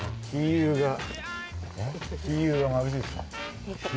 ゆーがまぶしいですね。